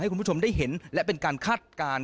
คุณผู้ชมได้เห็นและเป็นการคาดการณ์